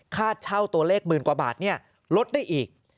ค่าเช่าตัวเลขหมื่นกว่าบาทลดได้อีก